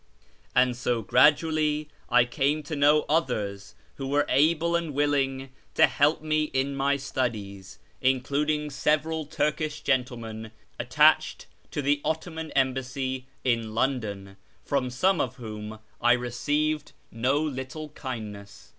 And so gradually I came to know others who were able and willing to help me in my studies, including several Turkish gentlemen attached to the Ottoman Embassy in London, from some of whom I received no little kindness.